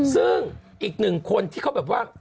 ซึ่งอีกหนึ่งคนที่เขาแบบว่า